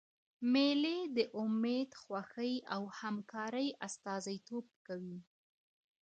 مېلې د امېد، خوښۍ او همکارۍ استازیتوب کوي.